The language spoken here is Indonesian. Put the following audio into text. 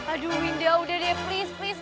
aduh winda udah deh please please